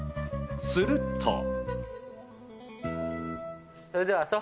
すると。